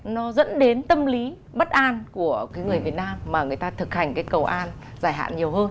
nó dẫn đến tâm lý bất an của cái người việt nam mà người ta thực hành cái cầu an giải hạn nhiều hơn